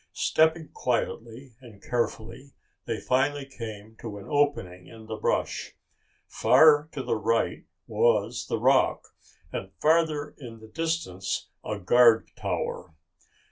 Stepping quietly and carefully they finally came to an opening in the brush. Far to the right was the Rock and, farther in the distance, a guard tower.